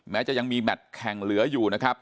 จะยังมีแมทแข่งเหลืออยู่นะครับ